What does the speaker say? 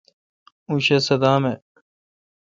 اوں شہ صدام اؘ ۔